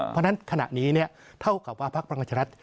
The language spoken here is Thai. เพราะฉะนั้นขณะนี้เท่ากับว่าพักพลังประชารัฐ